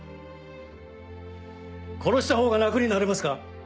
殺したほうが楽になれますか？